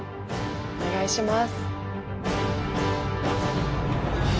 お願いします。